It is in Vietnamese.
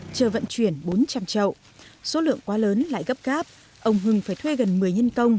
chờ vận chuyển bốn trăm linh trậu số lượng quá lớn lại gấp cáp ông hưng phải thuê gần một mươi nhân công